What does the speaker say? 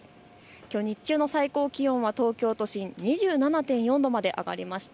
きょう日中の最高気温は東京都心２７．４度まで上がりました。